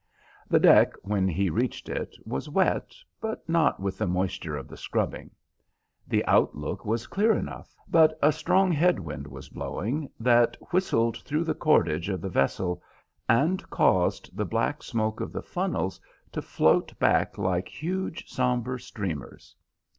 The deck, when he reached it, was wet, but not with the moisture of the scrubbing. The outlook was clear enough, but a strong head wind was blowing that whistled through the cordage of the vessel, and caused the black smoke of the funnels to float back like huge sombre streamers.